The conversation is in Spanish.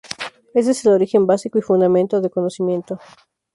Éste es el origen básico y fundamento del conocimiento.